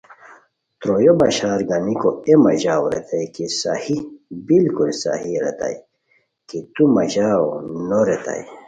ترویو بشارگانیکو اے مہ ژاو ریتائے کی صحیح بالکل صحیح ریتائے کی تو مہ ژاؤ نو ریتائے